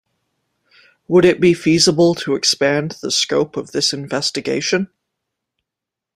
Would it be feasible to expand the scope of this investigation?